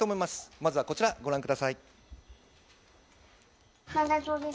まずはこちらご覧ください。